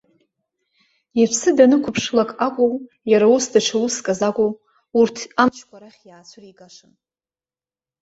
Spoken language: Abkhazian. Иԥсы данақәыԥшлак акәу, иара ус даҽа уск азы акәу, урҭ амчқәа арахь иаацәыригашан.